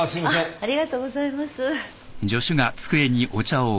ありがとうございます。